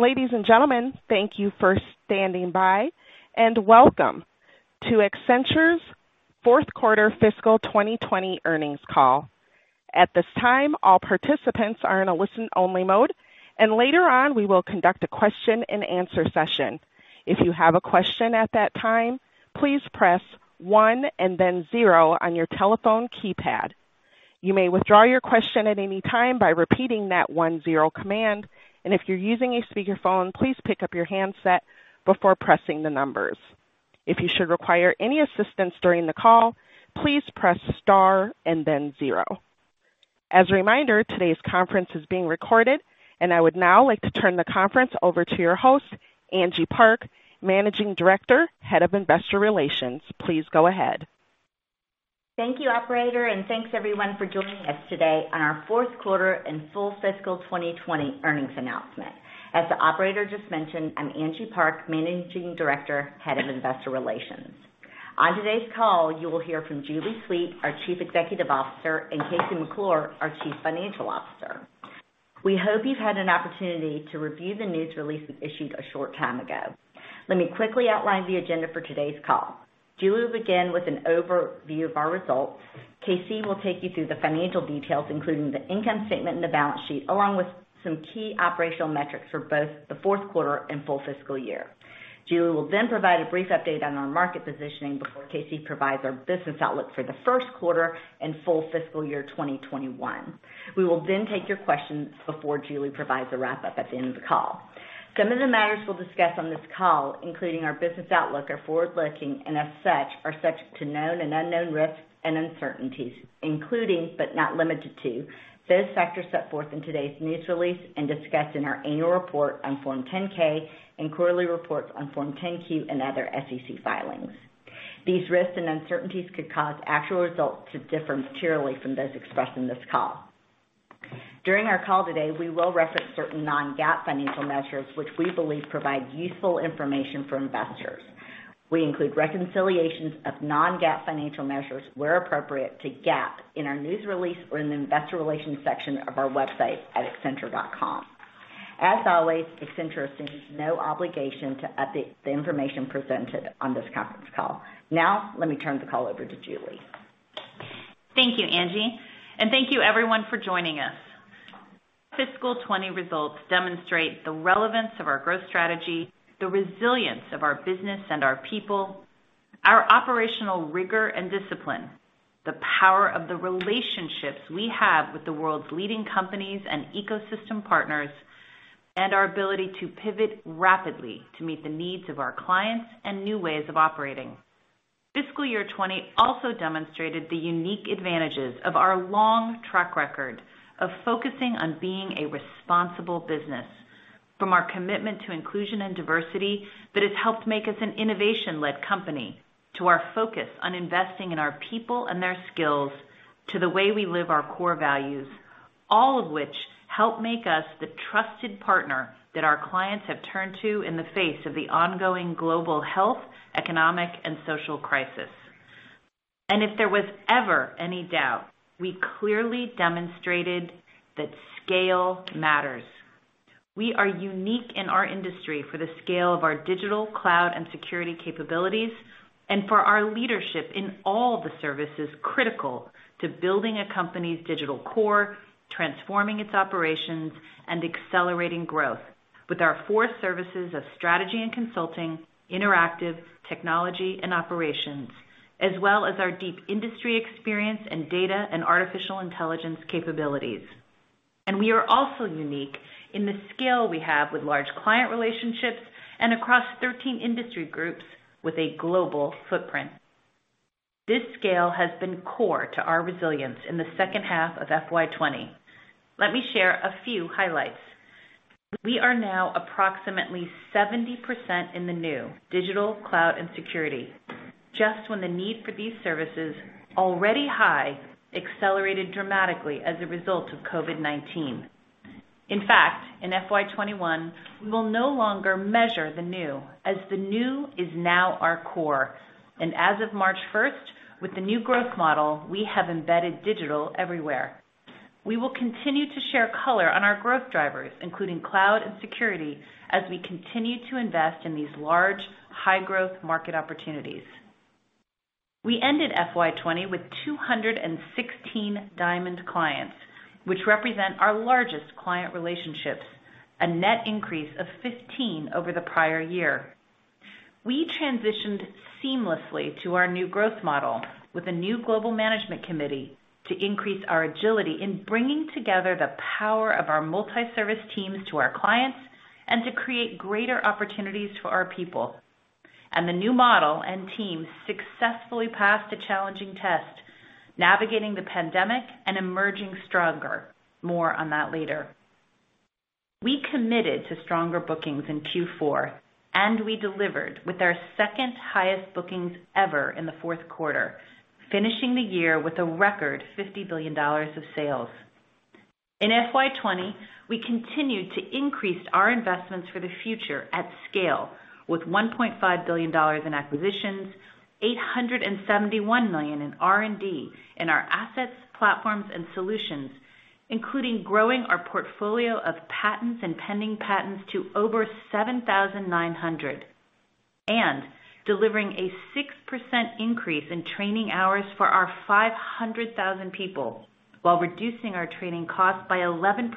Ladies and gentlemen, thank you for standing by, and welcome to Accenture's fourth quarter fiscal 2020 earnings call. I would now like to turn the conference over to your host, Angie Park, Managing Director, Head of Investor Relations. Please go ahead. Thank you, operator, and thanks, everyone, for joining us today on our fourth quarter and full fiscal 2020 earnings announcement. As the operator just mentioned, I'm Angie Park, Managing Director, Head of Investor Relations. On today's call, you will hear from Julie Sweet, our Chief Executive Officer, and KC McClure, our Chief Financial Officer. We hope you've had an opportunity to review the news release we issued a short time ago. Let me quickly outline the agenda for today's call. Julie will begin with an overview of our results. KC will take you through the financial details, including the income statement and the balance sheet, along with some key operational metrics for both the fourth quarter and full fiscal year. Julie will provide a brief update on our market positioning before KC provides our business outlook for the first quarter and full fiscal year 2021. We will take your questions before Julie provides a wrap-up at the end of the call. Some of the matters we'll discuss on this call, including our business outlook, are forward-looking, and as such, are subject to known and unknown risks and uncertainties, including, but not limited to, those factors set forth in today's news release and discussed in our annual report on Form 10-K and quarterly reports on Form 10-Q and other SEC filings. These risks and uncertainties could cause actual results to differ materially from those expressed in this call. During our call today, we will reference certain non-GAAP financial measures which we believe provide useful information for investors. We include reconciliations of non-GAAP financial measures where appropriate to GAAP in our news release or in the investor relations section of our website at accenture.com. As always, Accenture assumes no obligation to update the information presented on this conference call. Now, let me turn the call over to Julie. Thank you, Angie. Thank you, everyone, for joining us. Fiscal 2020 results demonstrate the relevance of our growth strategy, the resilience of our business and our people, our operational rigor and discipline, the power of the relationships we have with the world's leading companies and ecosystem partners, and our ability to pivot rapidly to meet the needs of our clients and new ways of operating. Fiscal year 2020 also demonstrated the unique advantages of our long track record of focusing on being a responsible business. From our commitment to inclusion and diversity that has helped make us an innovation-led company, to our focus on investing in our people and their skills, to the way we live our core values, all of which help make us the trusted partner that our clients have turned to in the face of the ongoing global health, economic, and social crisis. If there was ever any doubt, we clearly demonstrated that scale matters. We are unique in our industry for the scale of our Digital, Cloud, and Security capabilities and for our leadership in all the services critical to building a company's digital core, transforming its operations, and accelerating growth with our four services of Strategy and Consulting, Interactive, Technology, and Operations, as well as our deep industry experience in data and artificial intelligence capabilities. We are also unique in the scale we have with large client relationships and across 13 industry groups with a global footprint. This scale has been core to our resilience in the second half of FY 2020. Let me share a few highlights. We are now approximately 70% in the New Digital, Cloud, and Security, just when the need for these services, already high, accelerated dramatically as a result of COVID-19. In fact, in FY 2021, we will no longer measure the New as the New is now our core. As of March 1st, with the new growth model, we have embedded digital everywhere. We will continue to share color on our growth drivers, including cloud and security, as we continue to invest in these large, high-growth market opportunities. We ended FY 2020 with 216 Diamond clients, which represent our largest client relationships, a net increase of 15 over the prior year. We transitioned seamlessly to our new growth model with a new Global Management Committee to increase our agility in bringing together the power of our multi-service teams to our clients and to create greater opportunities for our people. The new model and teams successfully passed a challenging test, navigating the pandemic and emerging stronger. More on that later. We committed to stronger bookings in Q4, and we delivered with our second-highest bookings ever in the fourth quarter, finishing the year with a record $50 billion of sales. In FY 2020, we continued to increase our investments for the future at scale with $1.5 billion in acquisitions, $871 million in R&D in our assets, platforms, and solutions, including growing our portfolio of patents and pending patents to over 7,900. Delivering a 6% increase in training hours for our 500,000 people while reducing our training costs by 11%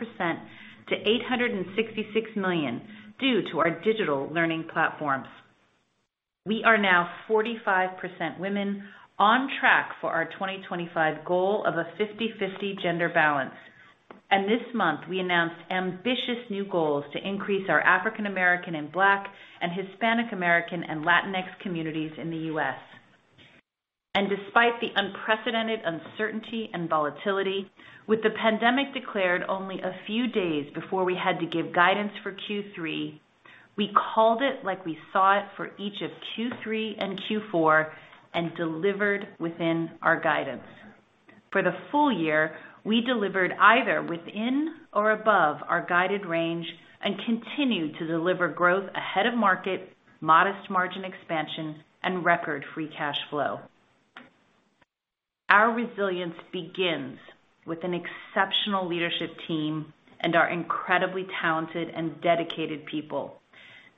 to $866 million due to our digital learning platforms. We are now 45% women, on track for our 2025 goal of a 50/50 gender balance. This month, we announced ambitious new goals to increase our African American and Black, and Hispanic American and Latinx communities in the U.S. Despite the unprecedented uncertainty and volatility, with the pandemic declared only a few days before we had to give guidance for Q3, we called it like we saw it for each of Q3 and Q4 and delivered within our guidance. For the full year, we delivered either within or above our guided range and continued to deliver growth ahead of market, modest margin expansion, and record free cash flow. Our resilience begins with an exceptional leadership team and our incredibly talented and dedicated people.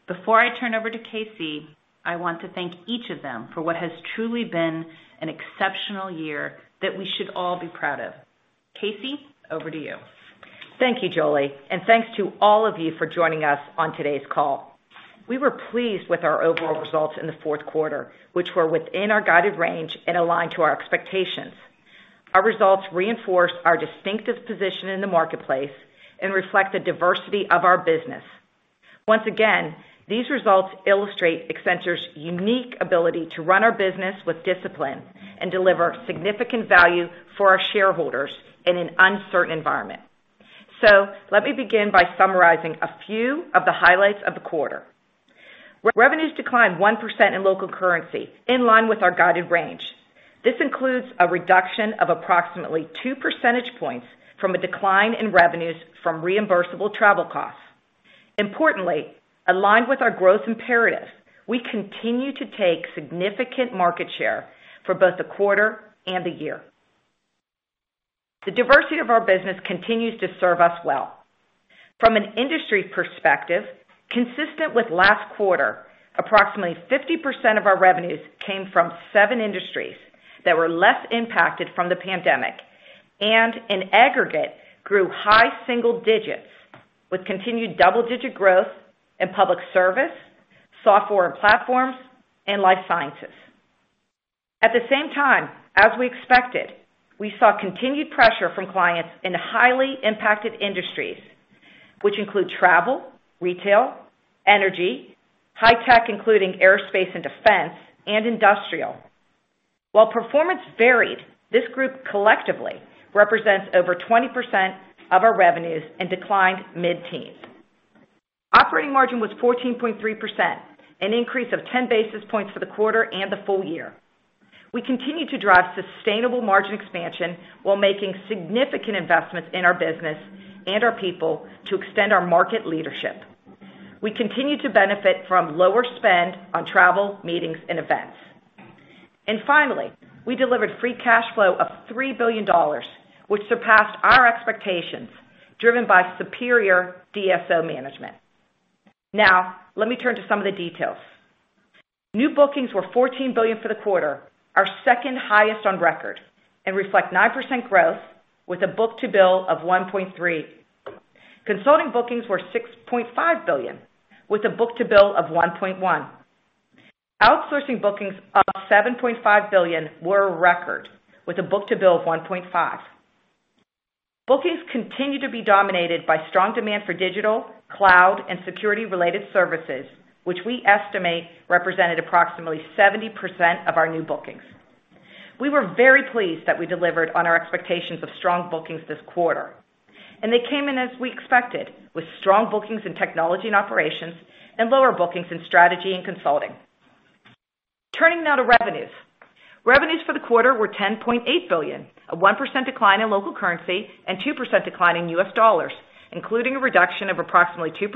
Before I turn over to KC, I want to thank each of them for what has truly been an exceptional year that we should all be proud of. KC, over to you. Thank you, Julie. Thanks to all of you for joining us on today's call. We were pleased with our overall results in the fourth quarter, which were within our guided range and aligned to our expectations. Our results reinforce our distinctive position in the marketplace and reflect the diversity of our business. Once again, these results illustrate Accenture's unique ability to run our business with discipline and deliver significant value for our shareholders in an uncertain environment. Let me begin by summarizing a few of the highlights of the quarter. Revenues declined 1% in local currency, in line with our guided range. This includes a reduction of approximately 2 percentage points from a decline in revenues from reimbursable travel costs. Importantly, aligned with our growth imperative, we continue to take significant market share for both the quarter and the year. The diversity of our business continues to serve us well. From an industry perspective, consistent with last quarter, approximately 50% of our revenues came from seven industries that were less impacted from the pandemic, and in aggregate, grew high single digits with continued double-digit growth in Public Service, Software and Platforms, and Life Sciences. At the same time, as we expected, we saw continued pressure from clients in highly impacted industries, which include Travel, Retail, Energy, High Tech, including Aerospace and Defense, and Industrial. While performance varied, this group collectively represents over 20% of our revenues and declined mid-teens. Operating margin was 14.3%, an increase of 10 basis points for the quarter and the full year. We continue to drive sustainable margin expansion while making significant investments in our business and our people to extend our market leadership. We continue to benefit from lower spend on travel, meetings and events. Finally, we delivered free cash flow of $3 billion, which surpassed our expectations, driven by superior DSO management. Let me turn to some of the details. New bookings were $14 billion for the quarter, our second highest on record, and reflect 9% growth with a book-to-bill of 1.3. Consulting bookings were $6.5 billion, with a book-to-bill of 1.1. Outsourcing bookings of $7.5 billion were a record, with a book-to-bill of 1.5. Bookings continue to be dominated by strong demand for Digital, Cloud, and Security-related services, which we estimate represented approximately 70% of our new bookings. We were very pleased that we delivered on our expectations of strong bookings this quarter, and they came in as we expected, with strong bookings in Technology and Operations and lower bookings in Strategy and Consulting. Turning now to revenues. Revenues for the quarter were $10.8 billion, a 1% decline in local currency and 2% decline in U.S. dollars, including a reduction of approximately 2%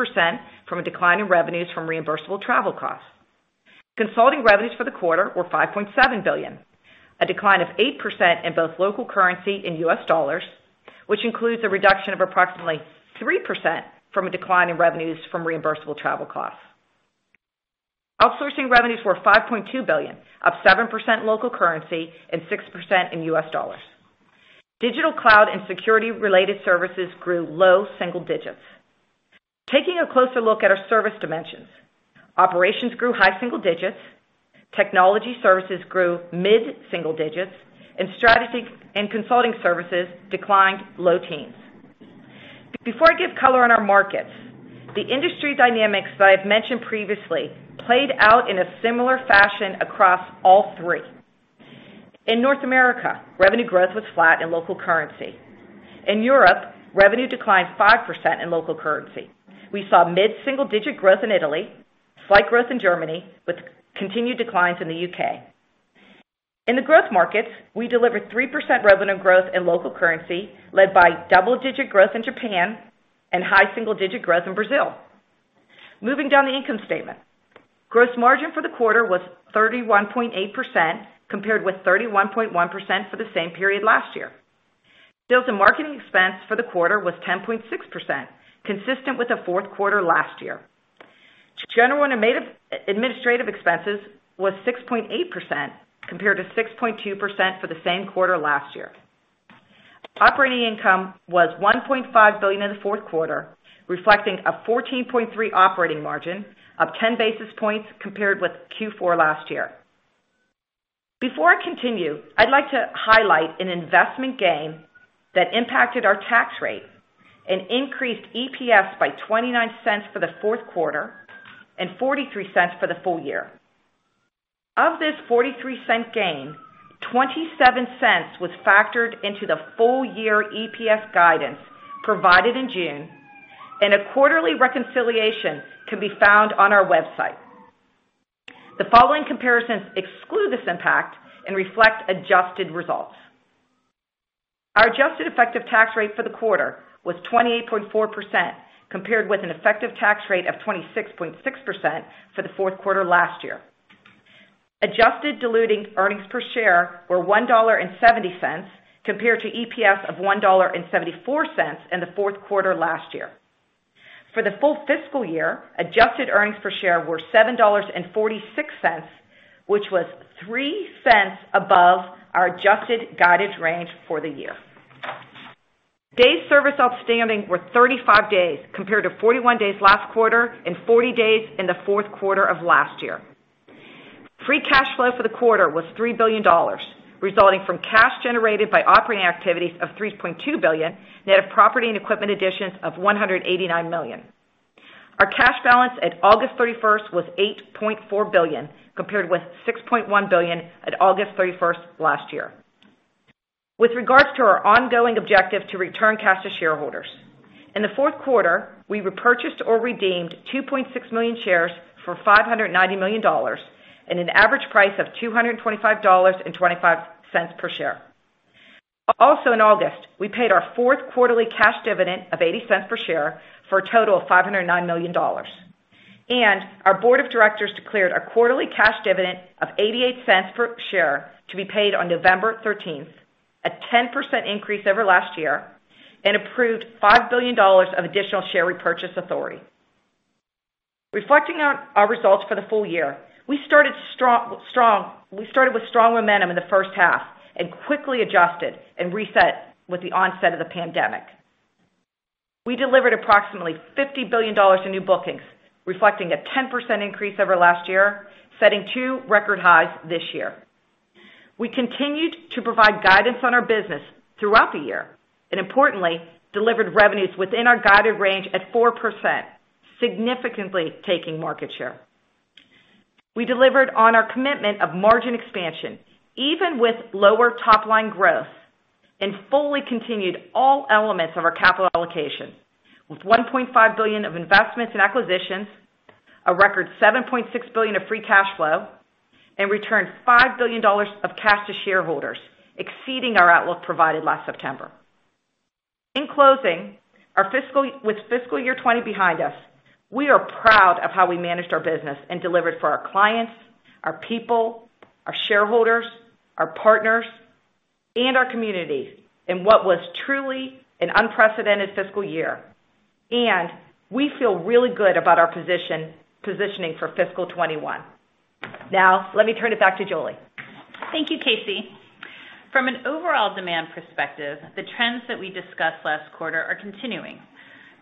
from a decline in revenues from reimbursable travel costs. Consulting revenues for the quarter were $5.7 billion, a decline of 8% in both local currency and U.S. dollars, which includes a reduction of approximately 3% from a decline in revenues from reimbursable travel costs. Outsourcing revenues were $5.2 billion, up 7% in local currency and 6% in U.S. dollars. Digital, cloud, and security-related services grew low single digits. Taking a closer look at our service dimensions, Operations grew high single digits, Technology services grew mid-single digits, and Strategy and Consulting services declined low teens. Before I give color on our markets, the industry dynamics that I've mentioned previously played out in a similar fashion across all three. In North America, revenue growth was flat in local currency. In Europe, revenue declined 5% in local currency. We saw mid-single-digit growth in Italy, slight growth in Germany, with continued declines in the U.K. In the Growth Markets, we delivered 3% revenue growth in local currency, led by double-digit growth in Japan and high single-digit growth in Brazil. Moving down the income statement. Gross margin for the quarter was 31.8%, compared with 31.1% for the same period last year. Sales and marketing expense for the quarter was 10.6%, consistent with the fourth quarter last year. General and administrative expenses was 6.8%, compared to 6.2% for the same quarter last year. Operating income was $1.5 billion in the fourth quarter, reflecting a 14.3% operating margin up 10 basis points compared with Q4 last year. Before I continue, I'd like to highlight an investment gain that impacted our tax rate and increased EPS by $0.29 for the fourth quarter and $0.43 for the full year. Of this $0.43 gain, $0.27 was factored into the full-year EPS guidance provided in June, and a quarterly reconciliation can be found on our website. The following comparisons exclude this impact and reflect adjusted results. Our adjusted effective tax rate for the quarter was 28.4%, compared with an effective tax rate of 26.6% for the fourth quarter last year. Adjusted diluted earnings per share were $1.70 compared to EPS of $1.74 in the fourth quarter last year. For the full fiscal year, adjusted earnings per share were $7.46, which was $0.03 above our adjusted guidance range for the year. Days service outstanding were 35 days compared to 41 days last quarter and 40 days in the fourth quarter of last year. Free cash flow for the quarter was $3 billion, resulting from cash generated by operating activities of $3.2 billion, net of property and equipment additions of $189 million. Our cash balance at August 31st was $8.4 billion, compared with $6.1 billion at August 31st last year. With regards to our ongoing objective to return cash to shareholders, in the fourth quarter, we repurchased or redeemed 2.6 million shares for $590 million and an average price of $225.25 per share. Also in August, we paid our fourth quarterly cash dividend of $0.80 per share for a total of $509 million. Our board of directors declared our quarterly cash dividend of $0.88 per share to be paid on November 13th, a 10% increase over last year, and approved $5 billion of additional share repurchase authority. Reflecting on our results for the full year, we started with strong momentum in the first half and quickly adjusted and reset with the onset of the pandemic. We delivered approximately $50 billion in new bookings, reflecting a 10% increase over last year, setting two record highs this year. We continued to provide guidance on our business throughout the year, and importantly, delivered revenues within our guided range at 4%, significantly taking market share. We delivered on our commitment of margin expansion, even with lower top-line growth, fully continued all elements of our capital allocation with $1.5 billion of investments and acquisitions, a record $7.6 billion of free cash flow, and returned $5 billion of cash to shareholders, exceeding our outlook provided last September. In closing, with FY 2020 behind us, we are proud of how we managed our business and delivered for our clients, our people, our shareholders, our partners, and our community in what was truly an unprecedented fiscal year. We feel really good about our positioning for FY 2021. Now, let me turn it back to Julie. Thank you, KC. From an overall demand perspective, the trends that we discussed last quarter are continuing.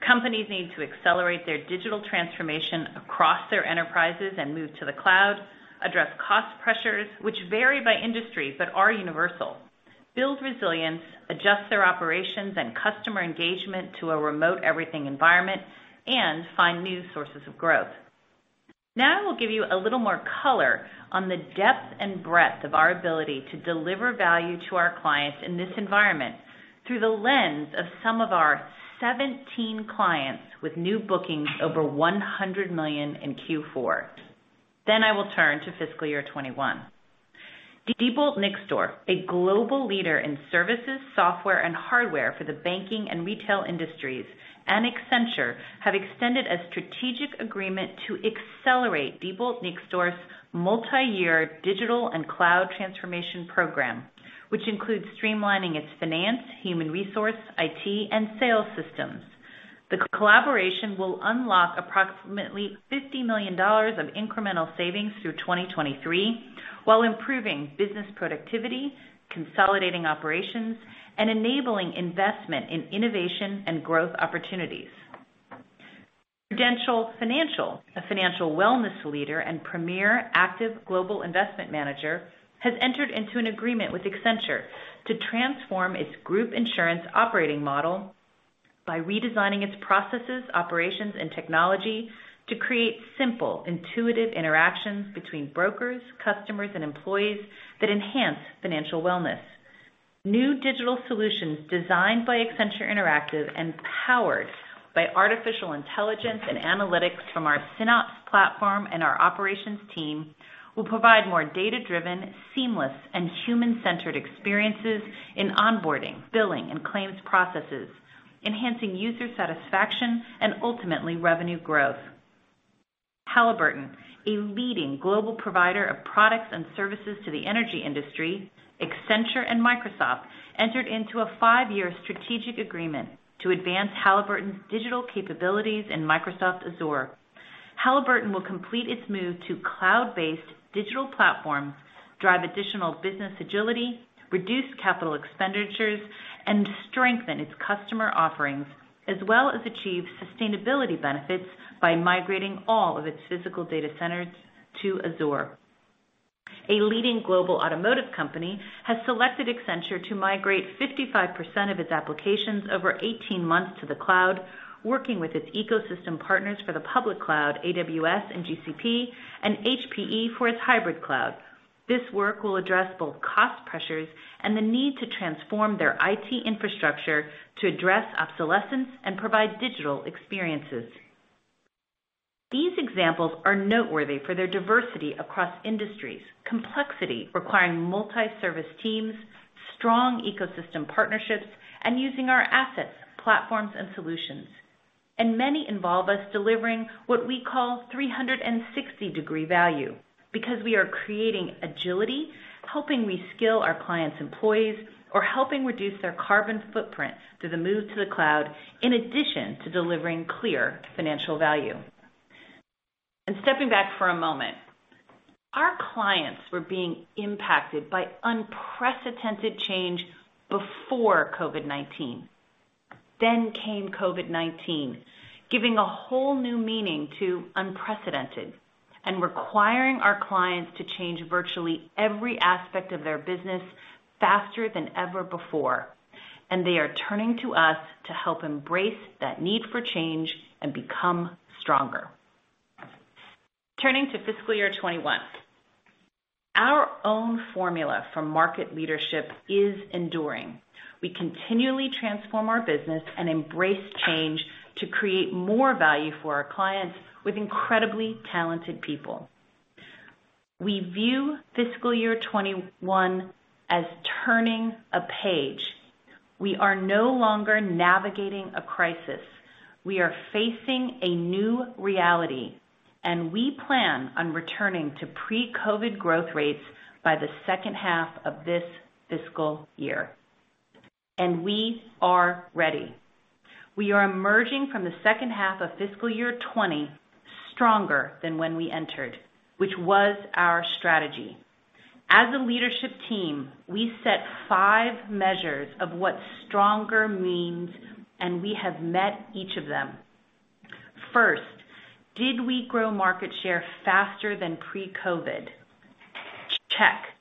Companies need to accelerate their digital transformation across their enterprises and move to the cloud, address cost pressures, which vary by industry but are universal, build resilience, adjust their operations and customer engagement to a remote everything environment, and find new sources of growth. I will give you a little more color on the depth and breadth of our ability to deliver value to our clients in this environment through the lens of some of our 17 clients with new bookings over $100 million in Q4. I will turn to FY 2021. Diebold Nixdorf, a global leader in services, software, and hardware for the banking and retail industries, and Accenture have extended a strategic agreement to accelerate Diebold Nixdorf's multi-year digital and cloud transformation program, which includes streamlining its finance, human resource, IT and sales systems. The collaboration will unlock approximately $50 million of incremental savings through 2023 while improving business productivity, consolidating operations, and enabling investment in innovation and growth opportunities. Prudential Financial, a financial wellness leader and premier active global investment manager, has entered into an agreement with Accenture to transform its group insurance operating model by redesigning its processes, operations, and technology to create simple, intuitive interactions between brokers, customers, and employees that enhance financial wellness. New digital solutions designed by Accenture Interactive and powered by artificial intelligence and analytics from our SynOps platform and our operations team will provide more data-driven, seamless, and human-centered experiences in onboarding, billing, and claims processes, enhancing user satisfaction and ultimately revenue growth. Halliburton, a leading global provider of products and services to the energy industry, Accenture and Microsoft entered into a five-year strategic agreement to advance Halliburton's digital capabilities in Microsoft Azure. Halliburton will complete its move to cloud-based digital platforms, drive additional business agility, reduce capital expenditures, and strengthen its customer offerings, as well as achieve sustainability benefits by migrating all of its physical data centers to Azure. A leading global automotive company has selected Accenture to migrate 55% of its applications over 18 months to the cloud, working with its ecosystem partners for the public cloud, AWS and GCP, and HPE for its hybrid cloud. This work will address both cost pressures and the need to transform their IT infrastructure to address obsolescence and provide digital experiences. These examples are noteworthy for their diversity across industries, complexity requiring multi-service teams, strong ecosystem partnerships, and using our assets, platforms, and solutions. Many involve us delivering what we call 360-degree value because we are creating agility, helping reskill our clients' employees, or helping reduce their carbon footprint through the move to the cloud, in addition to delivering clear financial value. Stepping back for a moment, our clients were being impacted by unprecedented change before COVID-19. Came COVID-19, giving a whole new meaning to unprecedented and requiring our clients to change virtually every aspect of their business faster than ever before. They are turning to us to help embrace that need for change and become stronger. Turning to fiscal year 2021. Our own formula for market leadership is enduring. We continually transform our business and embrace change to create more value for our clients with incredibly talented people. We view FY 2021 as turning a page. We are no longer navigating a crisis. We are facing a new reality. We plan on returning to pre-COVID growth rates by the second half of this fiscal year. We are ready. We are emerging from the second half of FY 2020 stronger than when we entered, which was our strategy. As a leadership team, we set five measures of what stronger means, and we have met each of them. First, did we grow market share faster than pre-COVID? Check.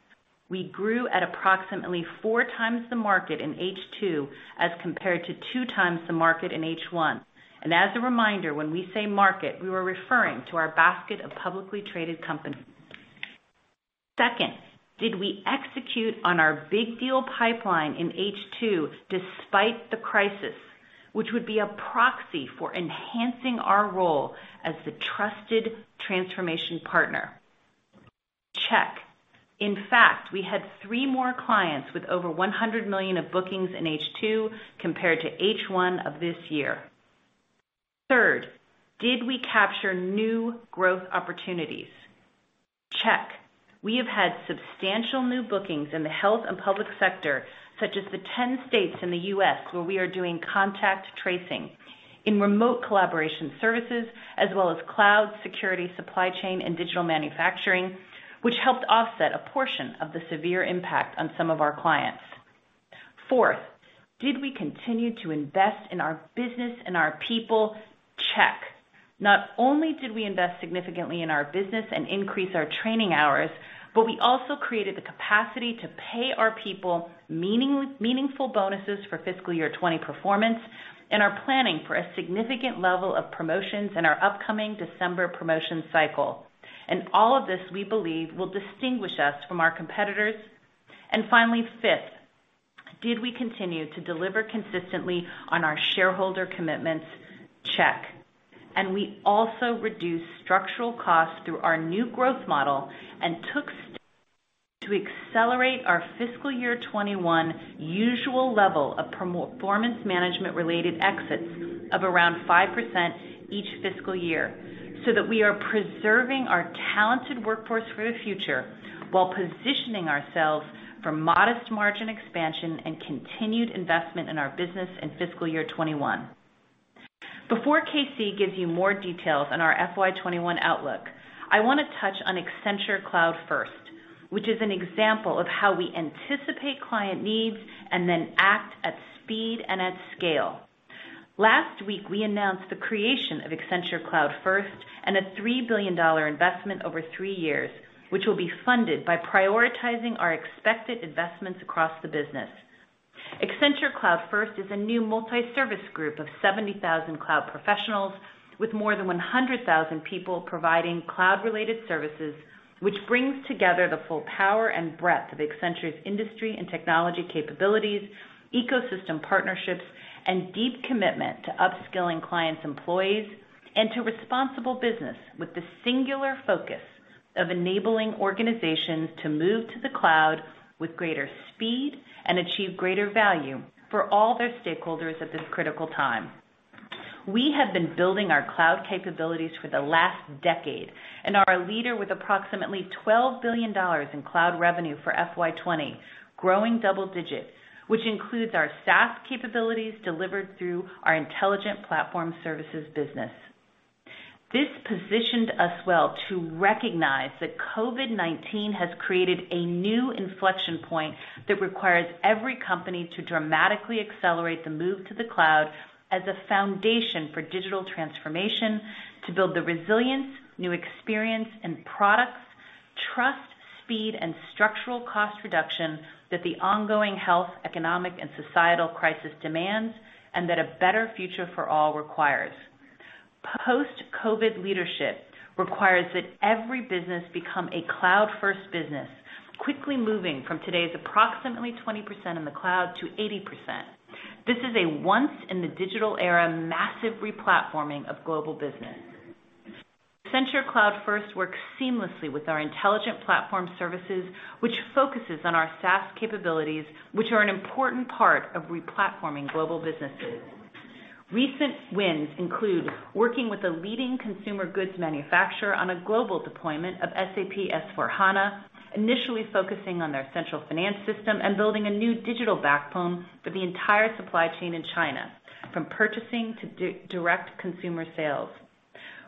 We grew at approximately four times the market in H2 as compared to two times the market in H1. As a reminder, when we say market, we were referring to our basket of publicly traded companies. Second, did we execute on our big deal pipeline in H2 despite the crisis, which would be a proxy for enhancing our role as the trusted transformation partner? Check. In fact, we had three more clients with over $100 million of bookings in H2 compared to H1 of this year. Third, did we capture new growth opportunities? Check. We have had substantial new bookings in the Health and Public Sector, such as the 10 states in the U.S. where we are doing contact tracing in remote collaboration services, as well as Cloud Security, Supply Chain, and Digital Manufacturing, which helped offset a portion of the severe impact on some of our clients. Fourth, did we continue to invest in our business and our people? Check. Not only did we invest significantly in our business and increase our training hours, but we also created the capacity to pay our people meaningful bonuses for fiscal year '20 performance and are planning for a significant level of promotions in our upcoming December promotion cycle. All of this, we believe, will distinguish us from our competitors. Finally, fifth, did we continue to deliver consistently on our shareholder commitments? Check. We also reduced structural costs through our new growth model and took steps to accelerate our fiscal year '21 usual level of performance management-related exits of around 5% each fiscal year so that we are preserving our talented workforce for the future while positioning ourselves for modest margin expansion and continued investment in our business in fiscal year 2021. Before KC gives you more details on our FY 2021 outlook, I want to touch on Accenture Cloud First, which is an example of how we anticipate client needs and then act at speed and at scale. Last week, we announced the creation of Accenture Cloud First and a $3 billion investment over three years, which will be funded by prioritizing our expected investments across the business. Accenture Cloud First is a new multi-service group of 70,000 cloud professionals with more than 100,000 people providing cloud-related services, which brings together the full power and breadth of Accenture's industry and technology capabilities, ecosystem partnerships, and deep commitment to upskilling clients' employees and to responsible business with the singular focus of enabling organizations to move to the cloud with greater speed and achieve greater value for all their stakeholders at this critical time. We have been building our cloud capabilities for the last decade, and are a leader with approximately $12 billion in cloud revenue for FY 2020, growing double digits, which includes our SaaS capabilities delivered through our Intelligent Platform Services business. This positioned us well to recognize that COVID-19 has created a new inflection point that requires every company to dramatically accelerate the move to the cloud as a foundation for digital transformation to build the resilience, new experience and products, trust, speed, and structural cost reduction that the ongoing health, economic, and societal crisis demands and that a better future for all requires. Post-COVID leadership requires that every business become a Cloud First business, quickly moving from today's approximately 20% in the cloud to 80%. This is a once in the digital era massive re-platforming of global business. Accenture Cloud First works seamlessly with our Intelligent Platform Services, which focuses on our SaaS capabilities, which are an important part of re-platforming global businesses. Recent wins include working with a leading consumer goods manufacturer on a global deployment of SAP S/4HANA, initially focusing on their Central Finance system and building a new digital backbone for the entire supply chain in China, from purchasing to direct consumer sales.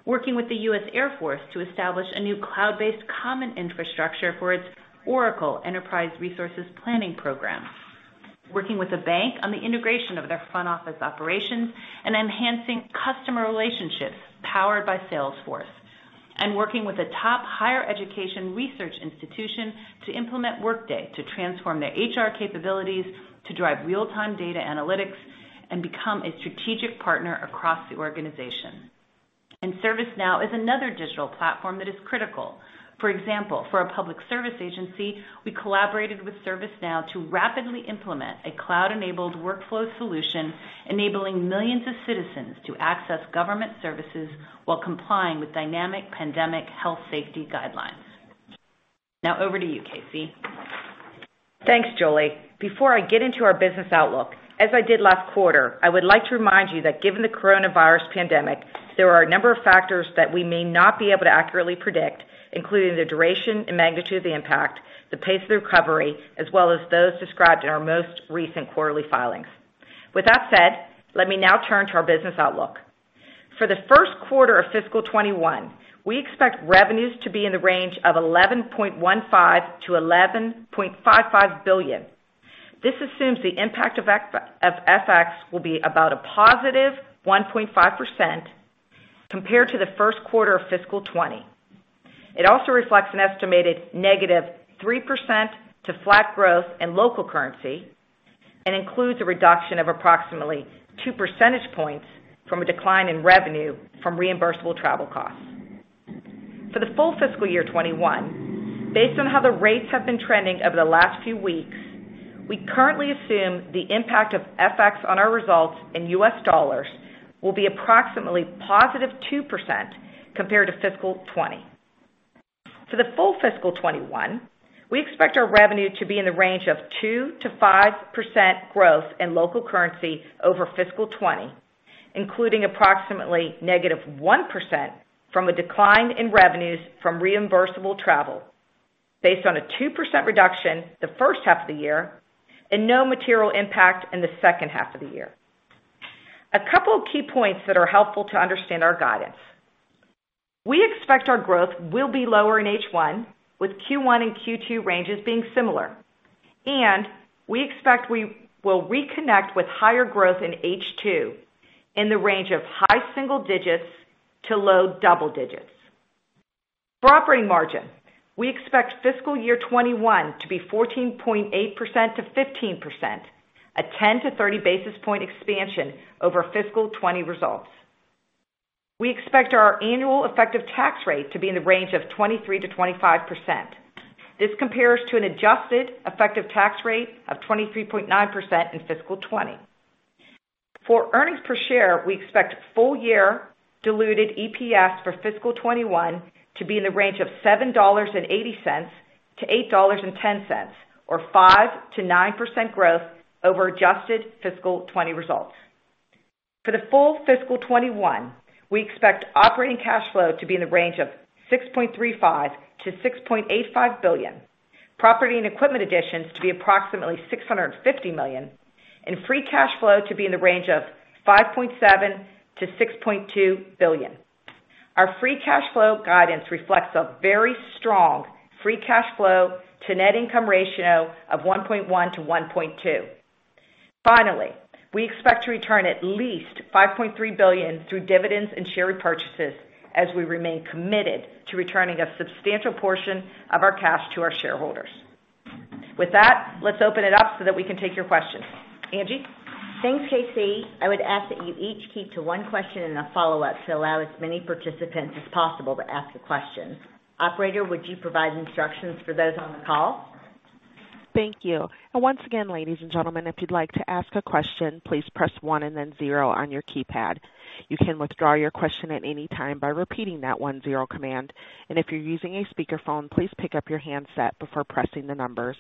Working with the U.S. Air Force to establish a new cloud-based common infrastructure for its Oracle Enterprise Resource Planning program. Working with a bank on the integration of their front office operations and enhancing customer relationships powered by Salesforce, working with a top higher education research institution to implement Workday to transform their HR capabilities to drive real-time data analytics and become a strategic partner across the organization. ServiceNow is another digital platform that is critical. For example, for a Public Service agency, we collaborated with ServiceNow to rapidly implement a cloud-enabled workflow solution, enabling millions of citizens to access government services while complying with dynamic pandemic health safety guidelines. Now, over to you, KC. Thanks, Julie. Before I get into our business outlook, as I did last quarter, I would like to remind you that given the coronavirus pandemic, there are a number of factors that we may not be able to accurately predict, including the duration and magnitude of the impact, the pace of the recovery, as well as those described in our most recent quarterly filings. With that said, let me now turn to our business outlook. For the first quarter of FY 2021, we expect revenues to be in the range of $11.15 billion-$11.55 billion. This assumes the impact of FX will be about a positive 1.5% compared to the first quarter of FY 2020. It also reflects an estimated -3% to flat growth in local currency and includes a reduction of approximately 2 percentage points from a decline in revenue from reimbursable travel costs. For the full FY 2021, based on how the rates have been trending over the last few weeks, we currently assume the impact of FX on our results in US dollars will be approximately +2% compared to FY 2020. For the full FY 2021, we expect our revenue to be in the range of 2%-5% growth in local currency over FY 2020, including approximately -1% from a decline in revenues from reimbursable travel based on a 2% reduction the first half of the year and no material impact in the second half of the year. A couple of key points that are helpful to understand our guidance. We expect our growth will be lower in H1 with Q1 and Q2 ranges being similar, and we expect we will reconnect with higher growth in H2 in the range of high single digits to low double digits. For operating margin, we expect FY 2021 to be 14.8%-15%, a 10 to 30 basis point expansion over FY 2020 results. We expect our annual effective tax rate to be in the range of 23%-25%. This compares to an adjusted effective tax rate of 23.9% in FY 2020. For earnings per share, we expect full year diluted EPS for FY 2021 to be in the range of $7.80-$8.10, or 5%-9% growth over adjusted FY 2020 results. For the full FY 2021, we expect operating cash flow to be in the range of $6.35 billion-$6.85 billion. Property and equipment additions to be approximately $650 million and free cash flow to be in the range of $5.7 billion-$6.2 billion. Our free cash flow guidance reflects a very strong free cash flow to net income ratio of 1.1 to 1.2. We expect to return at least $5.3 billion through dividends and share repurchases as we remain committed to returning a substantial portion of our cash to our shareholders. With that, let's open it up so that we can take your questions. Angie? Thanks, KC. I would ask that you each keep to one question and a follow-up to allow as many participants as possible to ask a question. Operator, would you provide instructions for those on the call? Thank you. Once again, ladies and gentlemen, if you'd like to ask a question, please press 1 and then 0 on your keypad. You can withdraw your question at any time by repeating that 1-0 command. If you're using a speakerphone, please pick up your handset before pressing the numbers.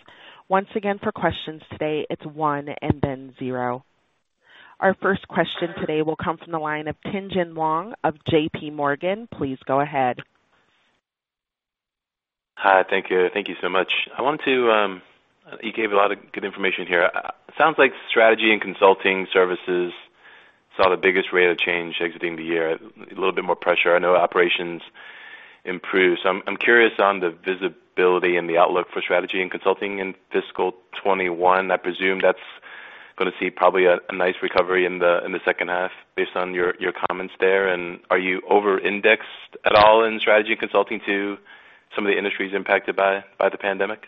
Once again, for questions today, it's 1 and then 0. Our first question today will come from the line of Tien-Tsin Huang of JPMorgan. Please go ahead. Hi. Thank you. Thank you so much. You gave a lot of good information here. Sounds like Strategy and Consulting services saw the biggest rate of change exiting the year, a little bit more pressure. I know operations improved. I'm curious on the visibility and the outlook for Strategy and Consulting in FY 2021. I presume that's going to see probably a nice recovery in the second half based on your comments there. Are you over-indexed at all in Strategy and Consulting to some of the industries impacted by the pandemic?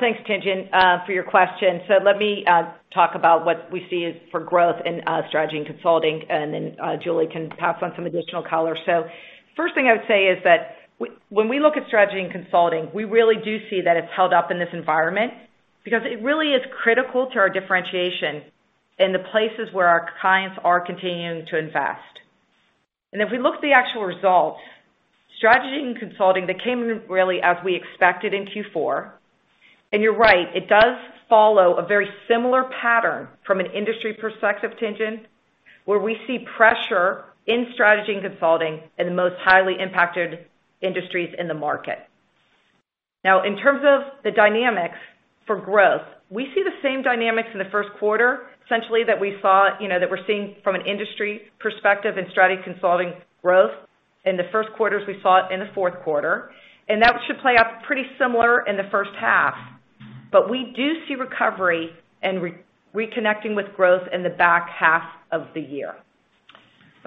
Thanks, Tien-Tsin, for your question. Let me talk about what we see is for growth in Strategy and Consulting, and then Julie can pass on some additional color. First thing I would say is that when we look at Strategy and Consulting, we really do see that it's held up in this environment because it really is critical to our differentiation in the places where our clients are continuing to invest. If we look at the actual results, Strategy and Consulting, they came in really as we expected in Q4. You're right, it does follow a very similar pattern from an industry perspective, Tien-Tsin, where we see pressure in Strategy and Consulting in the most highly impacted industries in the market. In terms of the dynamics for growth, we see the same dynamics in the first quarter, essentially, that we're seeing from an industry perspective in Strategy and Consulting growth in the first quarter as we saw it in the fourth quarter. That should play out pretty similar in the first half. We do see recovery and reconnecting with growth in the back half of the year.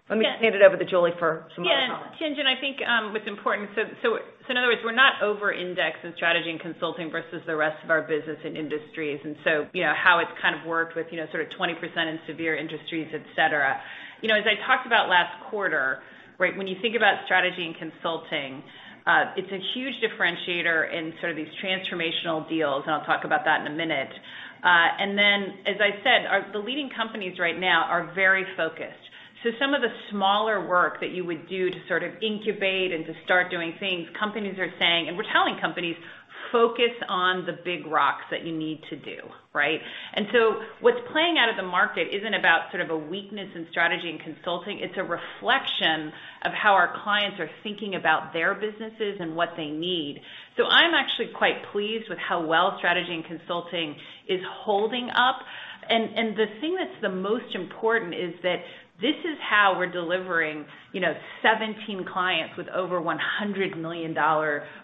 Let me hand it over to Julie for some more comments. Yeah. Tien-Tsin, I think what's important. In other words, we're not over-indexed in Strategy and Consulting versus the rest of our business and industries, and how it's kind of worked with sort of 20% in severe industries, et cetera. As I talked about last quarter, when you think about Strategy and Consulting, it's a huge differentiator in these transformational deals, and I'll talk about that in a minute. As I said, the leading companies right now are very focused. Some of the smaller work that you would do to sort of incubate and to start doing things, companies are saying, and we're telling companies, "Focus on the big rocks that you need to do." Right? What's playing out of the market isn't about sort of a weakness in Strategy and Consulting. It's a reflection of how our clients are thinking about their businesses and what they need. I'm actually quite pleased with how well Strategy and Consulting is holding up, and the thing that's the most important is that this is how we're delivering 17 clients with over $100 million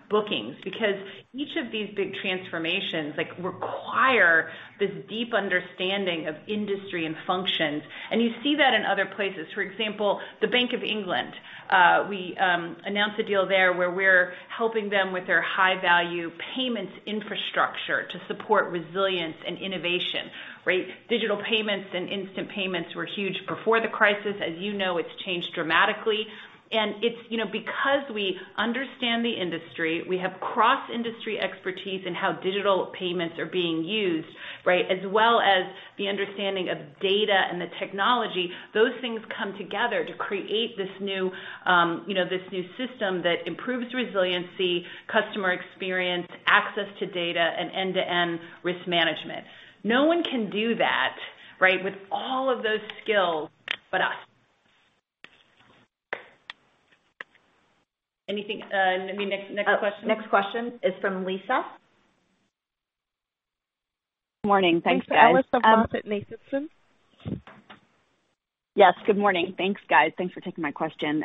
bookings. Because each of these big transformations require this deep understanding of industry and functions, and you see that in other places. For example, the Bank of England. We announced a deal there where we're helping them with their high-value payments infrastructure to support resilience and innovation. Right? Digital payments and instant payments were huge before the crisis. As you know, it's changed dramatically. It's because we understand the industry, we have cross-industry expertise in how digital payments are being used, as well as the understanding of data and the technology. Those things come together to create this new system that improves resiliency, customer experience, access to data, and end-to-end risk management. No one can do that with all of those skills but us. Anything I mean, next question? Next question is from Lisa. Morning. Thanks, guys. Thanks, Lisa of MoffettNathanson. Yes, good morning. Thanks, guys. Thanks for taking my question.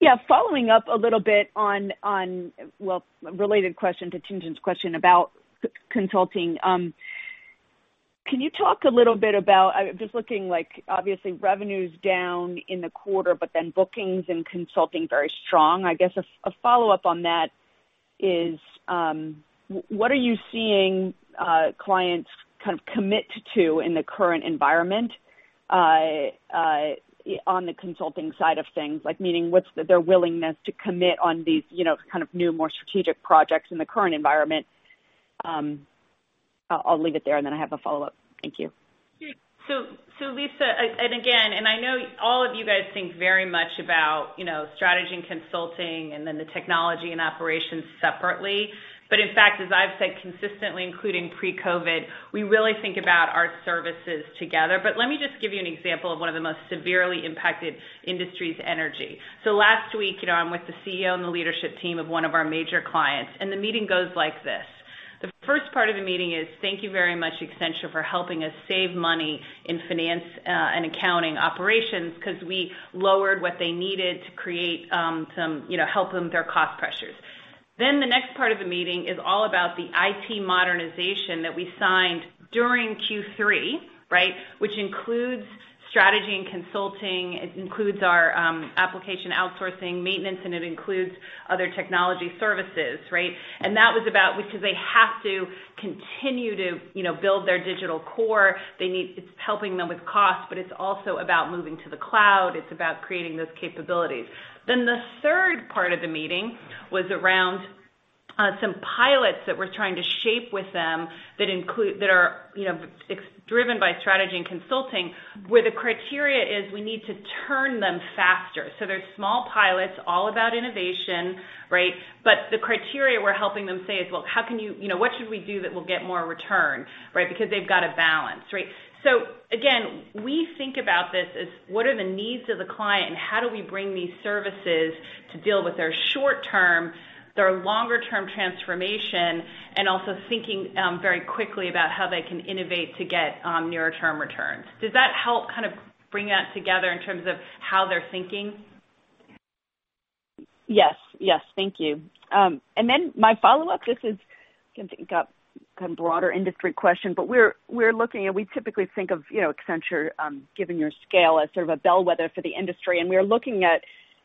Yeah, following up a little bit on, well, related question to Tien-Tsin's question about consulting. Can you talk a little bit about Just looking, obviously, revenue's down in the quarter, but then bookings and consulting very strong. I guess a follow-up on that is, what are you seeing clients kind of commit to in the current environment on the consulting side of things? Meaning, what's their willingness to commit on these kind of new, more strategic projects in the current environment? I'll leave it there, and then I have a follow-up. Thank you. Lisa, and again, and I know all of you guys think very much about Strategy and Consulting and then the Technology and Operations separately. In fact, as I've said consistently, including pre-COVID, we really think about our services together. Let me just give you an example of one of the most severely impacted industries, Energy. Last week, I'm with the CEO and the leadership team of one of our major clients, and the meeting goes like this. The first part of the meeting is, "Thank you very much, Accenture, for helping us save money in finance and accounting operations," because we lowered what they needed to help them with their cost pressures. The next part of the meeting is all about the IT modernization that we signed during Q3, which includes Strategy and Consulting, it includes our application outsourcing maintenance, and it includes other technology services. Right? Have to continue to build their digital core. It's helping them with cost, it's also about moving to the cloud. It's about creating those capabilities. The third part of the meeting was around some pilots that we're trying to shape with them that are driven by Strategy and Consulting, where the criteria is we need to turn them faster. They're small pilots, all about innovation. The criteria we're helping them say is, well, what should we do that will get more return? Because they've got to balance. Again, we think about this as what are the needs of the client and how do we bring these services to deal with their short-term, their longer-term transformation, and also thinking very quickly about how they can innovate to get nearer term returns. Does that help kind of bring that together in terms of how they're thinking? Yes. Thank you. My follow-up, this is going to be a kind of broader industry question, but we typically think of Accenture, given your scale, as sort of a bellwether for the industry. We are looking at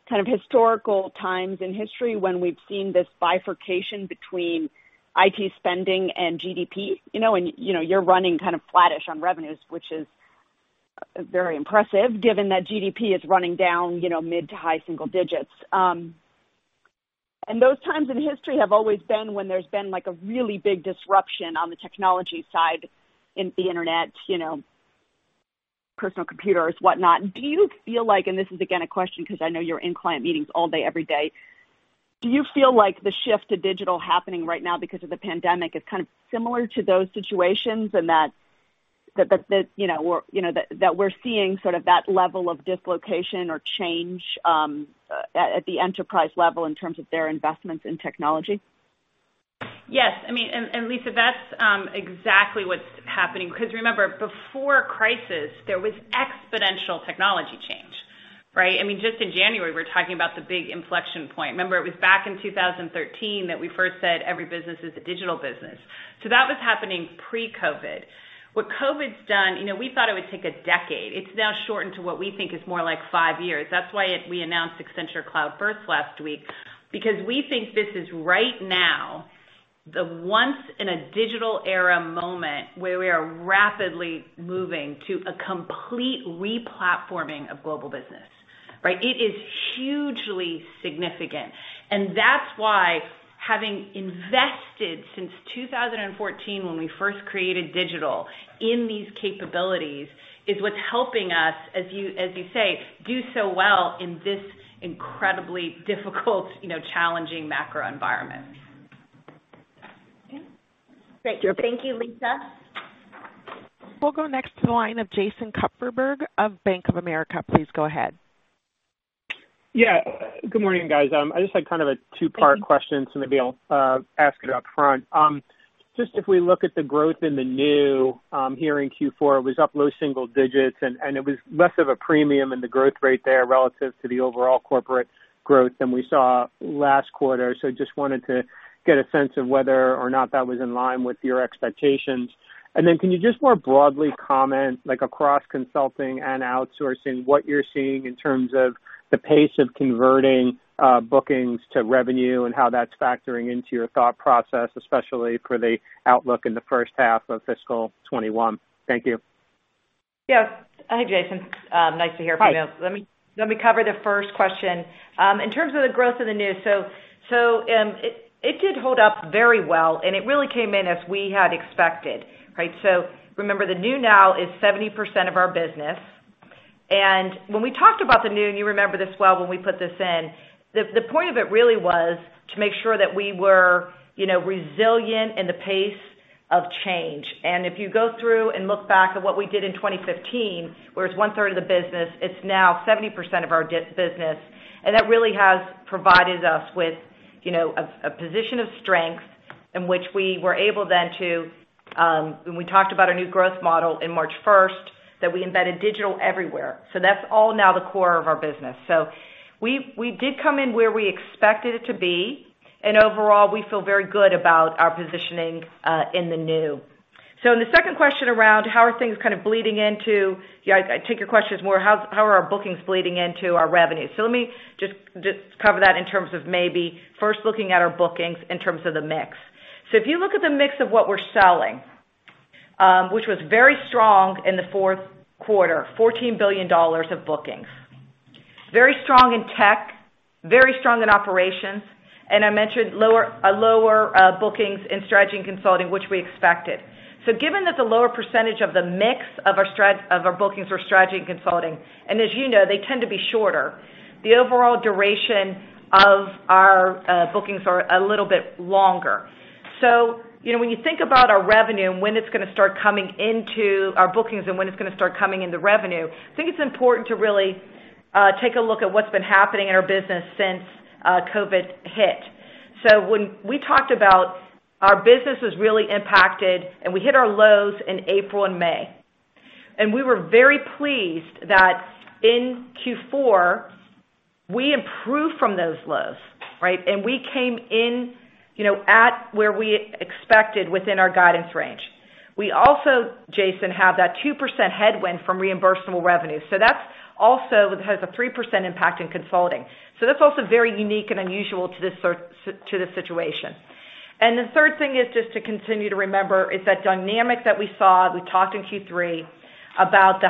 kind of historical times in history when we've seen this bifurcation between IT spending and GDP, and you're running kind of flattish on revenues, which is very impressive given that GDP is running down mid to high single digits. Those times in history have always been when there's been like a really big disruption on the technology side in the Internet, personal computers, whatnot. Do you feel like, and this is again a question because I know you're in client meetings all day, every day, do you feel like the shift to digital happening right now because of the pandemic is kind of similar to those situations and that we're seeing sort of that level of dislocation or change at the enterprise level in terms of their investments in technology? Yes. I mean, and Lisa, that's exactly what's happening because remember, before crisis, there was exponential technology change, right? I mean, just in January, we were talking about the big inflection point. Remember, it was back in 2013 that we first said every business is a digital business. That was happening pre-COVID. What COVID's done, we thought it would take a decade. It's now shortened to what we think is more like five years. That's why we announced Accenture Cloud First last week, because we think this is right now the once in a digital era moment where we are rapidly moving to a complete re-platforming of global business. It is hugely significant. That's why having invested since 2014 when we first created digital in these capabilities is what's helping us, as you say, do so well in this incredibly difficult, challenging macro environment. Okay. Great. Thank you, Lisa. We'll go next to the line of Jason Kupferberg of Bank of America. Please go ahead. Yeah. Good morning, guys. I just had kind of a two-part question, so maybe I'll ask it up front. Just if we look at the growth in the New here in Q4, it was up low single digits, and it was less of a premium in the growth rate there relative to the overall corporate growth than we saw last quarter. Just wanted to get a sense of whether or not that was in line with your expectations. Can you just more broadly comment, like across consulting and outsourcing, what you're seeing in terms of the pace of converting bookings to revenue and how that's factoring into your thought process, especially for the outlook in the first half of fiscal 2021? Thank you. Yeah. Hi, Jason. Nice to hear from you. Hi. Let me cover the first question. In terms of the growth of the New, it did hold up very well, and it really came in as we had expected. Remember, the New now is 70% of our business. When we talked about the New, and you remember this well when we put this in, the point of it really was to make sure that we were resilient in the pace of change. If you go through and look back at what we did in 2015, where it's one-third of the business, it's now 70% of our business. That really has provided us with a position of strength in which we were able then to. We talked about our new growth model in March 1st, that we embedded digital everywhere. That's all now the core of our business. We did come in where we expected it to be, and overall, we feel very good about our positioning in the New. In the second question around how are things, I take your question as more how are our bookings bleeding into our revenue. Let me just cover that in terms of maybe first looking at our bookings in terms of the mix. If you look at the mix of what we're selling, which was very strong in the fourth quarter, $14 billion of bookings. Very strong in tech, very strong in operations, and I mentioned lower bookings in Strategy and Consulting, which we expected. Given that the lower percentage of the mix of our bookings were Strategy and Consulting, and as you know, they tend to be shorter, the overall duration of our bookings are a little bit longer. When you think about our revenue and when it's going to start coming into our bookings and when it's going to start coming into revenue, I think it's important to really take a look at what's been happening in our business since COVID-19 hit. We talked about our business was really impacted, and we hit our lows in April and May. We were very pleased that in Q4, we improved from those lows. We came in at where we expected within our guidance range. We also, Jason, have that 2% headwind from reimbursable revenue. That also has a 3% impact in consulting. That's also very unique and unusual to this situation. The third thing is just to continue to remember is that dynamic that we saw, we talked in Q3 about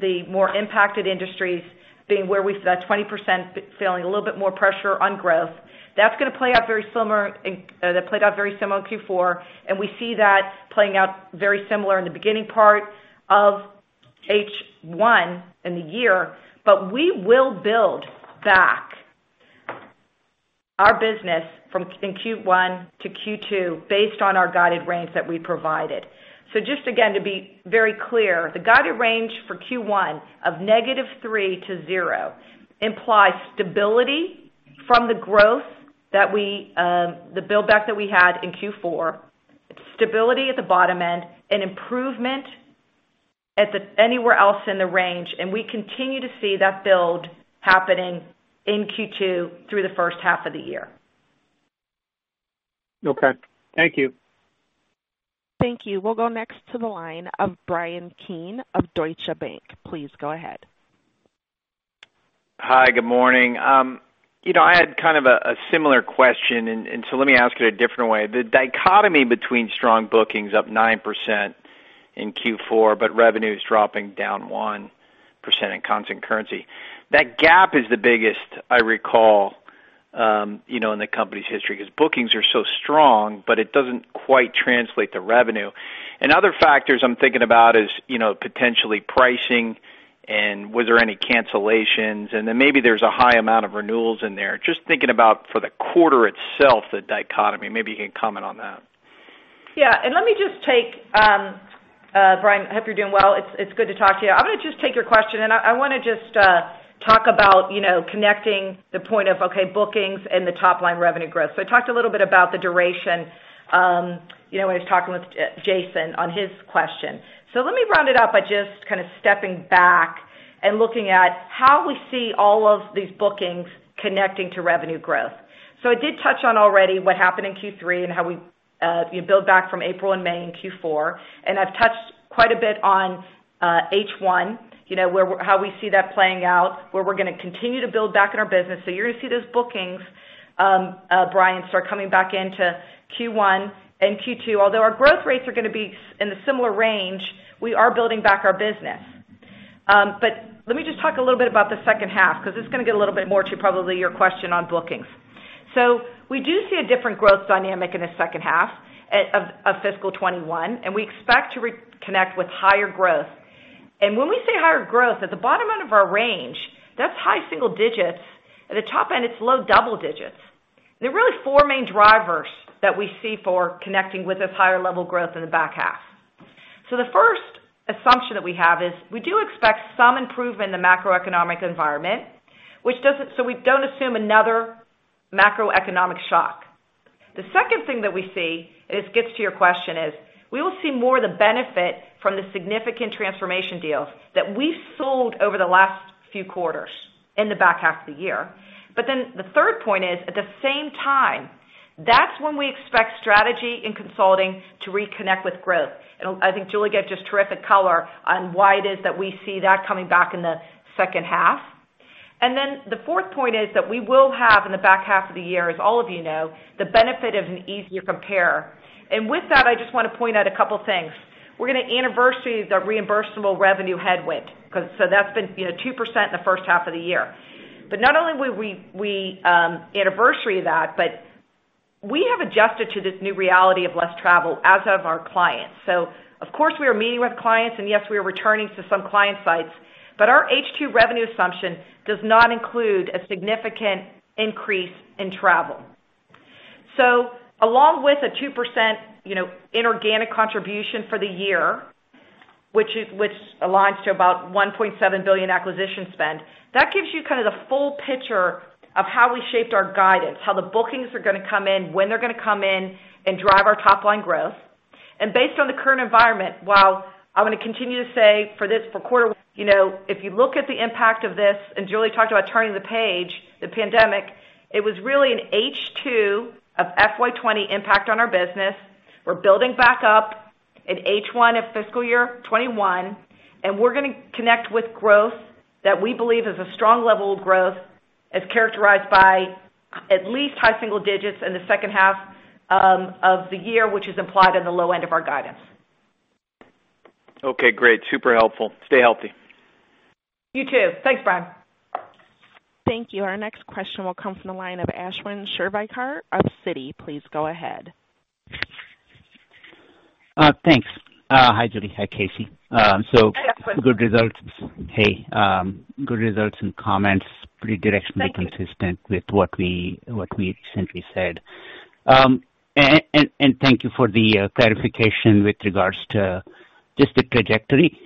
the more impacted industries being where we saw that 20% falling, a little bit more pressure on growth. That played out very similar in Q4, and we see that playing out very similar in the beginning part of H1 in the year. We will build back our business in Q1 to Q2 based on our guided range that we provided. Just again, to be very clear, the guided range for Q1 of -3% to 0% implies stability from the build-back that we had in Q4, stability at the bottom end, and improvement anywhere else in the range. We continue to see that build happening in Q2 through the first half of the year. Okay. Thank you. Thank you. We'll go next to the line of Bryan Keane of Deutsche Bank. Please go ahead. Hi, good morning. I had kind of a similar question. Let me ask it a different way. The dichotomy between strong bookings up 9% in Q4, but revenues dropping down 1% in constant currency. That gap is the biggest I recall in the company's history, because bookings are so strong, but it doesn't quite translate to revenue. Other factors I'm thinking about is potentially pricing, was there any cancellations, maybe there's a high amount of renewals in there. Just thinking about for the quarter itself, the dichotomy, maybe you can comment on that. Yeah. Bryan, I hope you're doing well. It's good to talk to you. I'm going to just take your question. I want to just talk about connecting the point of, okay, bookings and the top-line revenue growth. I talked a little bit about the duration when I was talking with Jason on his question. Let me round it up by just kind of stepping back and looking at how we see all of these bookings connecting to revenue growth. I did touch on already what happened in Q3 and how we build back from April and May in Q4. I've touched quite a bit on H1, how we see that playing out, where we're going to continue to build back in our business. You're going to see those bookings, Bryan, start coming back into Q1 and Q2. Although our growth rates are going to be in a similar range, we are building back our business. Let me just talk a little bit about the second half, because this is going to get a little bit more to probably your question on bookings. We do see a different growth dynamic in the second half of FY 2021, and we expect to reconnect with higher growth. When we say higher growth, at the bottom end of our range, that's high single digits. At the top end, it's low double digits. There are really four main drivers that we see for connecting with this higher-level growth in the back half. The first assumption that we have is we do expect some improvement in the macroeconomic environment, so we don't assume another macroeconomic shock. The second thing that we see, and this gets to your question, is we will see more of the benefit from the significant transformation deals that we sold over the last few quarters in the back half of the year. The third point is, at the same time, that's when we expect Strategy and Consulting to reconnect with growth. I think Julie gave just terrific color on why it is that we see that coming back in the second half. The fourth point is that we will have in the back half of the year, as all of you know, the benefit of an easier compare. With that, I just want to point out a couple things. We're going to anniversary the reimbursable revenue headwind. That's been 2% in the first half of the year. Not only will we anniversary that, but we have adjusted to this new reality of less travel as have our clients. Of course, we are meeting with clients, and yes, we are returning to some client sites, but our H2 revenue assumption does not include a significant increase in travel. Along with a 2% inorganic contribution for the year, which aligns to about $1.7 billion acquisition spend, that gives you kind of the full picture of how we shaped our guidance, how the bookings are going to come in, when they're going to come in and drive our top-line growth. Based on the current environment, while I'm going to continue to say for this quarter, if you look at the impact of this, and Julie talked about turning the page, the pandemic, it was really an H2 of FY 20 impact on our business. We're building back up in H1 of FY 2021, and we're going to connect with growth that we believe is a strong level of growth, as characterized by at least high single digits in the second half of the year, which is implied in the low end of our guidance. Okay, great. Super helpful. Stay healthy. You too. Thanks, Bryan. Thank you. Our next question will come from the line of Ashwin Shirvaikar of Citi. Please go ahead. Thanks. Hi, Julie. Hi, KC. Hi, Ashwin. good results, and comments pretty directionally consistent. Thank you. with what we recently said. Thank you for the clarification with regards to just the trajectory.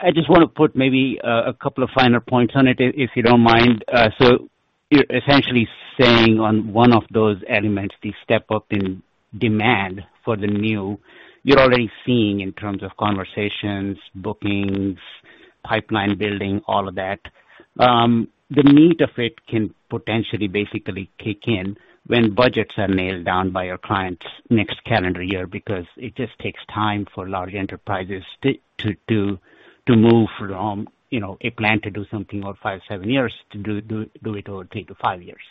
I just want to put maybe a couple of final points on it, if you don't mind. You're essentially saying on one of those elements, the step-up in demand for the New, you're already seeing in terms of conversations, bookings pipeline building, all of that. The meat of it can potentially basically kick in when budgets are nailed down by your clients next calendar year, because it just takes time for large enterprises to move from a plan to do something over five, seven years to do it over three to five years.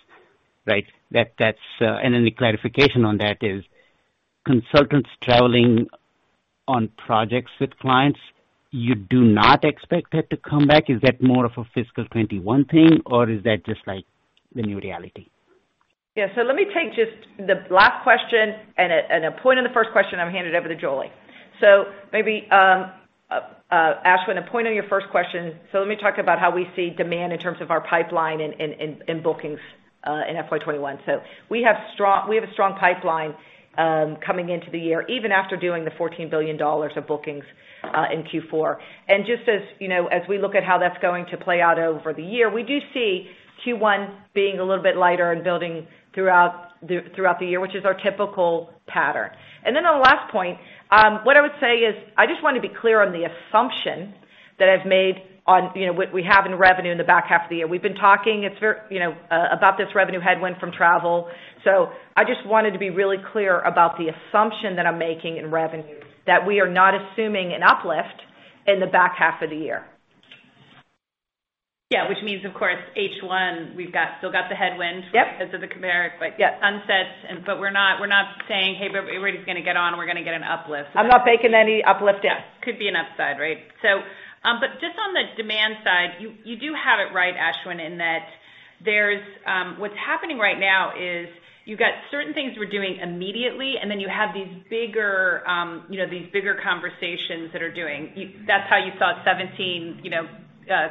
Right. Then the clarification on that is consultants traveling on projects with clients, you do not expect that to come back? Is that more of a FY 2021 thing, or is that just like the new reality? Yeah. Let me take just the last question and a point on the first question, I'm going to hand it over to Julie. Maybe, Ashwin, a point on your first question. Let me talk about how we see demand in terms of our pipeline and bookings in FY 2021. We have a strong pipeline coming into the year, even after doing the $14 billion of bookings in Q4. Just as we look at how that's going to play out over the year, we do see Q1 being a little bit lighter and building throughout the year, which is our typical pattern. On the last point, what I would say is, I just want to be clear on the assumption that I've made on what we have in revenue in the back half of the year. We've been talking about this revenue headwind from travel. I just wanted to be really clear about the assumption that I'm making in revenue, that we are not assuming an uplift in the back half of the year. Yeah, which means, of course, H1, we've still got the headwind. Yep. Because of the compare. Yep. Sunsets, but we're not saying, "Hey, everybody's going to get on, we're going to get an uplift." I'm not baking any uplift in. Yeah. Could be an upside, right? Just on the demand side, you do have it right, Ashwin, in that what's happening right now is you've got certain things we're doing immediately, and then you have these bigger conversations that are doing. That's how you saw 17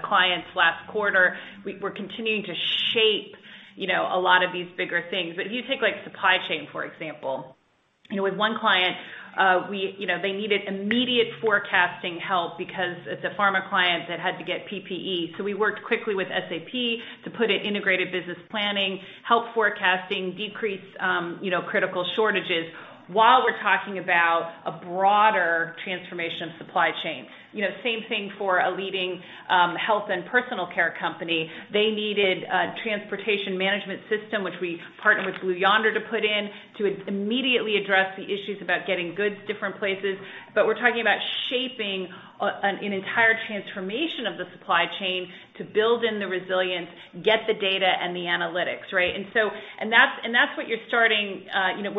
clients last quarter. We're continuing to shape a lot of these bigger things. If you take supply chain, for example. With one client, they needed immediate forecasting help because it's a pharma client that had to get PPE. We worked quickly with SAP to put in Integrated Business Planning, help forecasting, decrease critical shortages, while we're talking about a broader transformation of supply chain. Same thing for a leading health and personal care company. They needed a Transportation Management System, which we partnered with Blue Yonder to put in to immediately address the issues about getting goods different places. We're talking about shaping an entire transformation of the supply chain to build in the resilience, get the data and the analytics, right? That's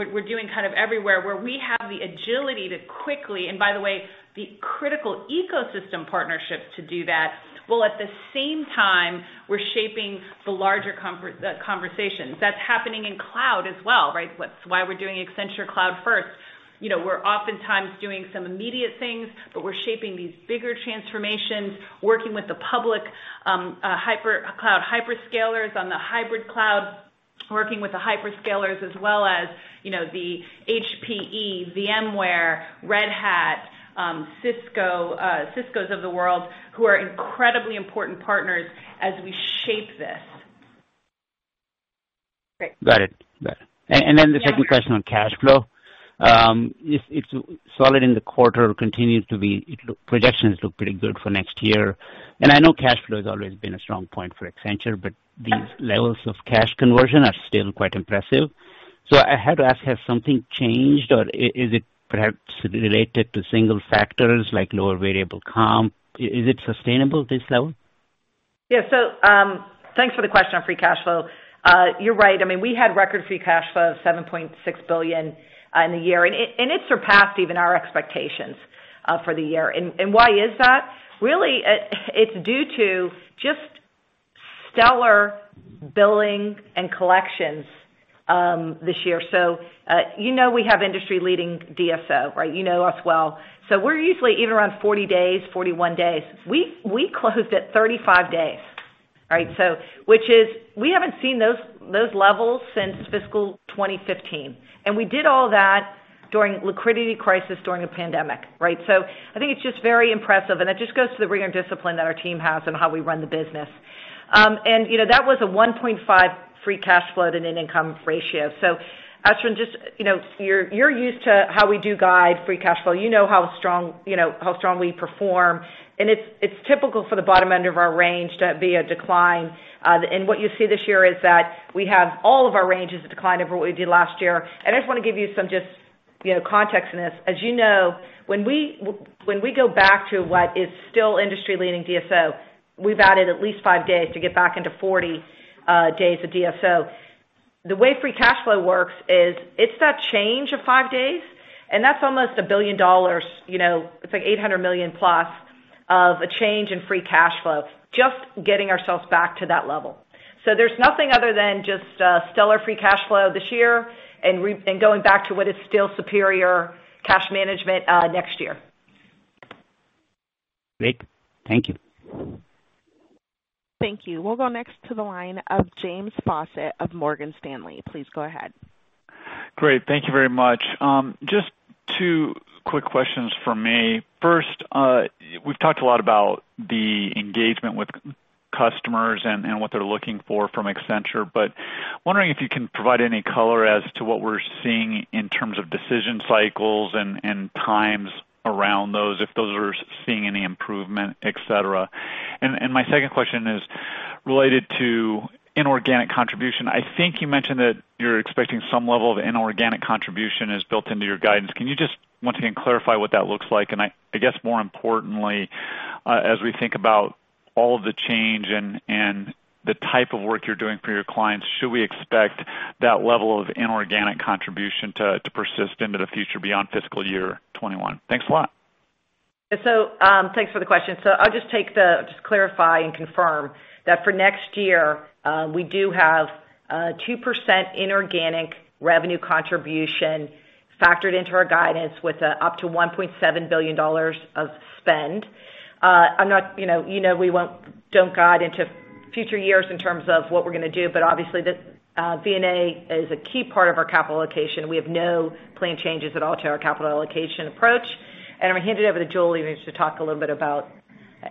what we're doing everywhere, where we have the agility to quickly And by the way, the critical ecosystem partnerships to do that, while at the same time, we're shaping the larger conversations. That's happening in cloud as well, right? That's why we're doing Accenture Cloud First. We're oftentimes doing some immediate things, but we're shaping these bigger transformations, working with the public cloud hyperscalers on the hybrid cloud, working with the hyperscalers as well as the HPE, VMware, Red Hat, Ciscos of the world, who are incredibly important partners as we shape this. Got it. The second question on cash flow. It's solid in the quarter, projections look pretty good for next year. I know cash flow has always been a strong point for Accenture, but these levels of cash conversion are still quite impressive. I had to ask, has something changed, or is it perhaps related to single factors like lower variable comp? Is it sustainable, this level? Thanks for the question on free cash flow. You're right. We had record free cash flow of $7.6 billion in the year, it surpassed even our expectations for the year. Why is that? It's due to just stellar billing and collections this year. You know we have industry-leading DSO, right? You know us well. We're usually even around 40 days, 41 days. We closed at 35 days. Right? We haven't seen those levels since FY 2015. We did all that during liquidity crisis during a pandemic, right? I think it's just very impressive, and it just goes to the rigor and discipline that our team has and how we run the business. That was a 1.5 free cash flow to net income ratio. Ashwin, you're used to how we do guide free cash flow. You know how strong we perform. It's typical for the bottom end of our range to be a decline. What you see this year is that we have all of our ranges decline over what we did last year. I just want to give you some context in this. As you know, when we go back to what is still industry-leading DSO, we've added at least five days to get back into 40 days of DSO. The way free cash flow works is it's that change of five days, and that's almost $1 billion. It's like $800 million plus of a change in free cash flow, just getting ourselves back to that level. There's nothing other than just stellar free cash flow this year and going back to what is still superior cash management next year. Great. Thank you. Thank you. We'll go next to the line of James Faucette of Morgan Stanley. Please go ahead. Great. Thank you very much. Just two quick questions from me. First, we've talked a lot about the engagement with customers and what they're looking for from Accenture, wondering if you can provide any color as to what we're seeing in terms of decision cycles and times around those, if those are seeing any improvement, et cetera. My second question is related to inorganic contribution. I think you mentioned that you're expecting some level of inorganic contribution is built into your guidance. Can you just once again clarify what that looks like? I guess more importantly, as we think about all of the change and the type of work you're doing for your clients, should we expect that level of inorganic contribution to persist into the future beyond FY 2021? Thanks a lot. Thanks for the question. I'll just clarify and confirm that for next year, we do have 2% inorganic revenue contribution factored into our guidance with up to $1.7 billion of spend. You know, we won't guide into future years in terms of what we're going to do, but obviously M&A is a key part of our capital allocation. We have no planned changes at all to our capital allocation approach. I'm going to hand it over to Julie to talk a little bit about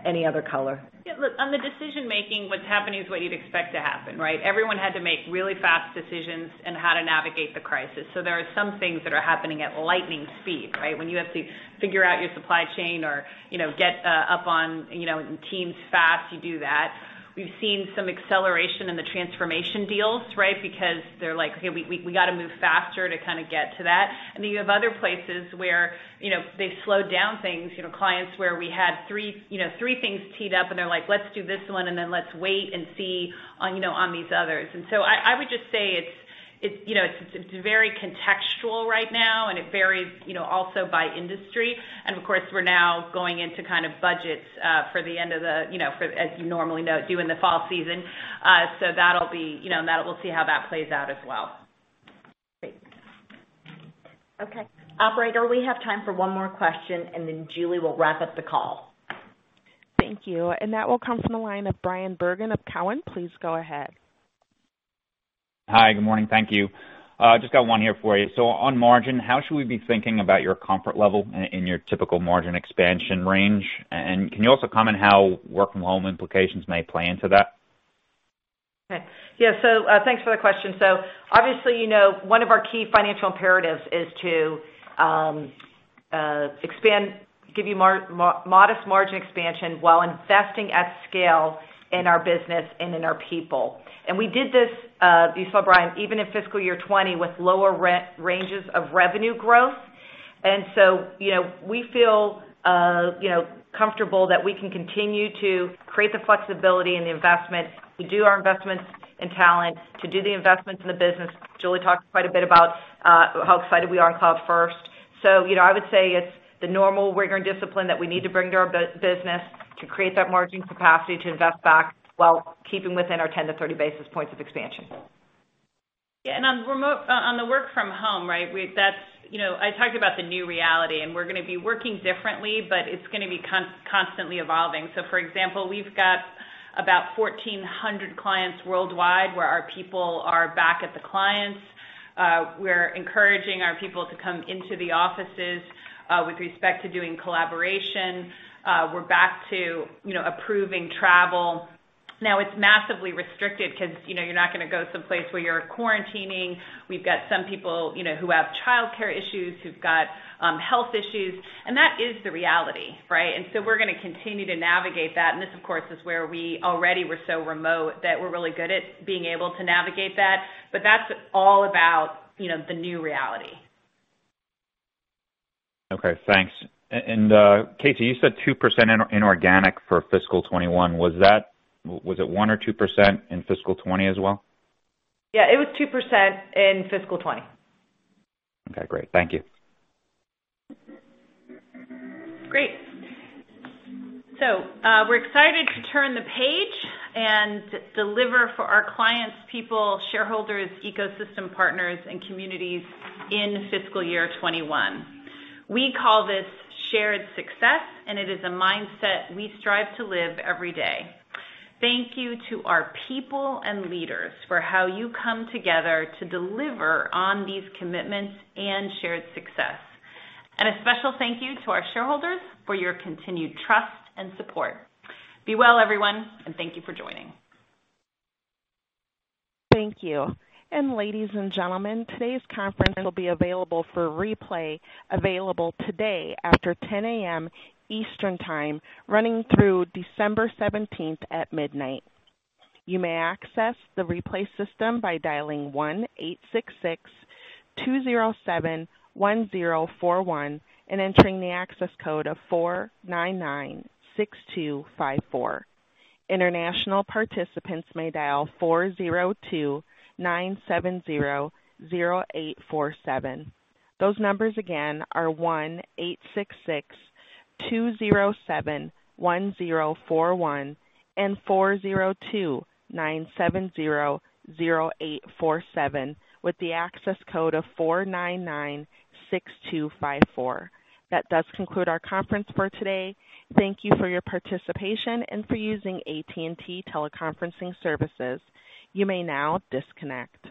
any other color. Yeah, look, on the decision-making, what's happening is what you'd expect to happen, right? Everyone had to make really fast decisions in how to navigate the crisis. There are some things that are happening at lightning speed, right? When you have to figure out your supply chain or get up on Teams fast, you do that. We've seen some acceleration in the transformation deals, right? Because they're like, "Okay, we've got to move faster to get to that." You have other places where they've slowed down things. Clients where we had three things teed up and they're like, "Let's do this one, and then let's wait and see on these others." I would just say it's very contextual right now, and it varies also by industry. Of course, we're now going into budgets for the end of the As you normally note, due in the fall season. We'll see how that plays out as well. Great. Okay. Operator, we have time for one more question, then Julie will wrap up the call. Thank you. That will come from the line of Bryan Bergin of Cowen and Company. Please go ahead. Hi, good morning. Thank you. Just got one here for you. On margin, how should we be thinking about your comfort level in your typical margin expansion range? Can you also comment on how work from home implications may play into that? Okay. Yeah, thanks for the question. Obviously, one of our key financial imperatives is to give you modest margin expansion while investing at scale in our business and in our people. We did this, you saw, Bryan, even in FY 2020 with lower ranges of revenue growth. We feel comfortable that we can continue to create the flexibility and the investment to do our investments in talent, to do the investments in the business. Julie talked quite a bit about how excited we are in Cloud First. I would say it's the normal rigor and discipline that we need to bring to our business to create that margin capacity to invest back while keeping within our 10-30 basis points of expansion. On the work from home, I talked about the new reality, and we're going to be working differently, but it's going to be constantly evolving. For example, we've got about 1,400 clients worldwide where our people are back at the clients. We're encouraging our people to come into the offices with respect to doing collaboration. We're back to approving travel. It's massively restricted because you're not going to go someplace where you're quarantining. We've got some people who have childcare issues, who've got health issues, and that is the reality, right. We're going to continue to navigate that. This, of course, is where we already were so remote that we're really good at being able to navigate that. That's all about the new reality. Okay, thanks. KC, you said 2% inorganic for FY 2021. Was it 1% or 2% in FY 2020 as well? Yeah, it was 2% in fiscal 2020. Okay, great. Thank you. Great. We're excited to turn the page and deliver for our clients, people, shareholders, ecosystem partners, and communities in fiscal year 2021. We call this shared success, and it is a mindset we strive to live every day. Thank you to our people and leaders for how you come together to deliver on these commitments and shared success. A special thank you to our shareholders for your continued trust and support. Be well, everyone, and thank you for joining. Thank you. Ladies and gentlemen, today's conference will be available for replay available today after 10:00 A.M. Eastern Time running through December 17th at midnight. You may access the replay system by dialing 1-866-207-1041 and entering the access code of 4996254. International participants may dial 402-970-0847. Those numbers again are 1-866-207-1041 and 402-970-0847 with the access code of 4996254. That does conclude our conference for today. Thank you for your participation and for using AT&T teleconferencing services. You may now disconnect.